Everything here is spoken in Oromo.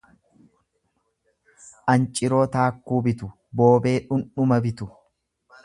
Anciroo taakkuu bitu boobee dhundhuma bitu.